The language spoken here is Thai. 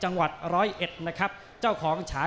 แล้วกลับมาติดตามกันต่อนะครับ